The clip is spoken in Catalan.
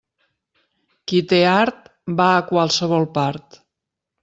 Qui té art va a qualsevol part.